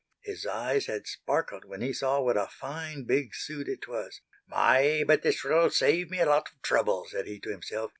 His eyes had sparkled when he saw what a fine big suit it was. "My, but this will save me a lot of trouble," said he to himself.